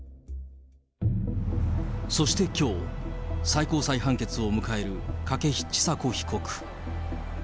そしてきょう、最高裁判決を迎える筧千佐子被告。